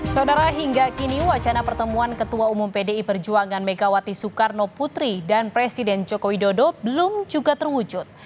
saudara hingga kini wacana pertemuan ketua umum pdi perjuangan megawati soekarno putri dan presiden joko widodo belum juga terwujud